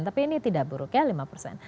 tapi ini tidak buruk ya lima persen